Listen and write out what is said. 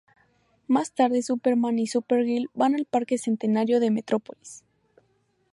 Más tarde, Superman y Supergirl van al Parque Centenario de Metropolis.